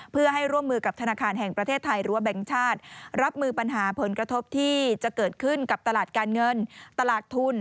เพื่อให้ร่วมมือกับธนาคารแห่งประเทศไทยรั้วแบงค์ชาติรับมือปัญหาผลกระทบที่จะเกิดขึ้นกับตลาดการเงินตลาดทุน